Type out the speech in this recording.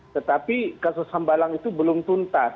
tetapi kasus hambalang itu belum tuntas